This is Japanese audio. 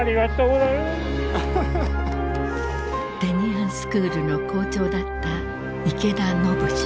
テニアンスクールの校長だった池田信治。